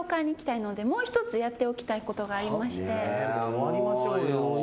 終わりましょうよ。